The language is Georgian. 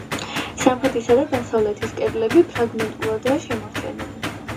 სამხრეთისა და დასავლეთის კედლები ფრაგმენტულადაა შემორჩენილი.